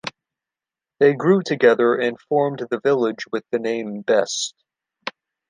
They grew together, and formed the village with the name Best.